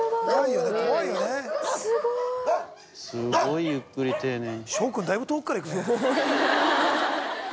すごいゆっくり丁寧に。